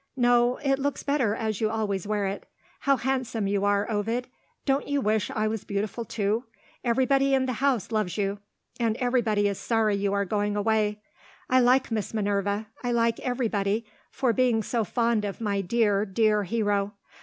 No! it looks better as you always wear it. How handsome you are, Ovid! Don't you wish I was beautiful, too? Everybody in the house loves you; and everybody is sorry you are going away. I like Miss Minerva, I like everybody, for being so fond of my dear, dear hero.